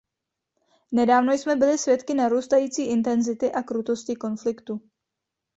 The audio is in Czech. Nedávno jsme byli svědky narůstající intenzity a krutosti konfliktu.